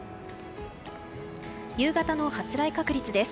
夕方の発雷確率です。